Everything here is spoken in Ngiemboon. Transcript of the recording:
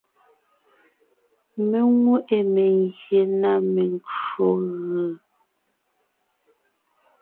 Mé nwé ʼe mengyè na mencwò gʉ.